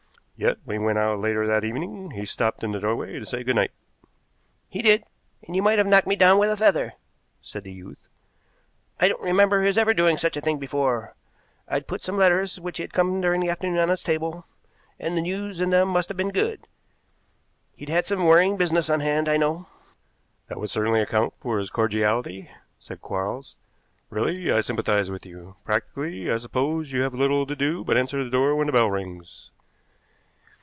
"Yet, when he went out later that evening, he stopped in the doorway to say good night." "He did, and you might have knocked me down with a feather," said the youth. "I don't remember his ever doing such a thing before. I'd put some letters which had come during the afternoon on his table, and the news in them must have been good. He'd had some worrying business on hand, I know." "That would certainly account for his cordiality," said Quarles. "Really, I sympathize with you. Practically, I suppose, you have little to do but answer the door when the bell rings."